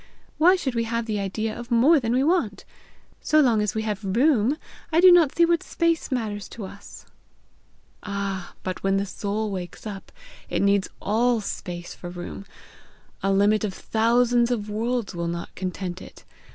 Why should we have the idea of more than we want? So long as we have room, I do not see what space matters to us!" "Ah, but when the soul wakes up, it needs all space for room! A limit of thousands of worlds will not content it.